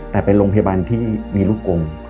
แต่เป็นโรงพยาบาลที่มีลูกกลม